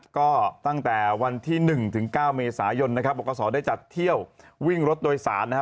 ก็ตั้งแต่วันที่๑ถึง๙เมษายนนะครับบรกษได้จัดเที่ยววิ่งรถโดยสารนะฮะ